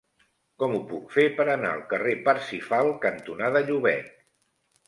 Com ho puc fer per anar al carrer Parsifal cantonada Llobet?